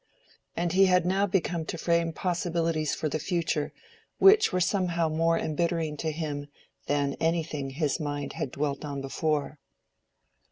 And he had begun now to frame possibilities for the future which were somehow more embittering to him than anything his mind had dwelt on before.